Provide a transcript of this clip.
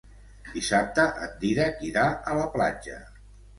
Dissabte en Dídac irà a la platja.